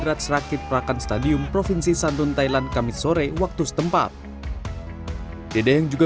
ratsrakit prakan stadium provinsi sandun thailand kamis sore waktu setempat dede yang juga